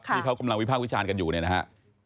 ที่เขากำลังวิภาควิจารณ์กันอยู่เนี่ยนะฮะ